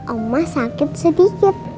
oma sakit sedikit